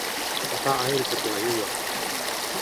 また会える時は言うよ。